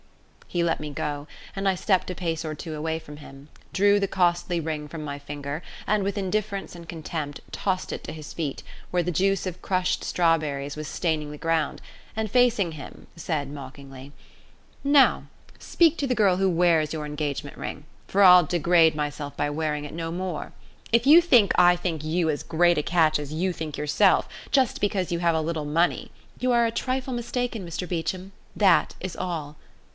He let me go, and I stepped a pace or two away from him, drew the costly ring from my finger, and, with indifference and contempt, tossed it to his feet, where the juice of crushed strawberries was staining the ground, and facing him, said mockingly: "Now, speak to the girl who wears your engagement ring, for I'll degrade myself by wearing it no more. If you think I think you as great a catch as you think yourself, just because you have a little money, you are a trifle mistaken, Mr Beecham, that is all.